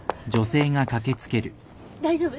大丈夫？